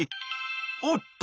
おっと！